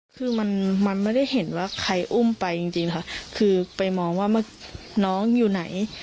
คือมันมันไม่ได้เห็นว่าใครอุ้มไปจริงค่ะคือไปมองว่าน้องอยู่ไหน